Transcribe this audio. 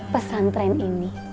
pesan tren ini